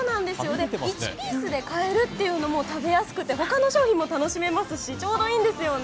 １ピースで買えるというのも食べやすくて他の商品も買えますし他の商品も楽しめてちょうどいいんですよね。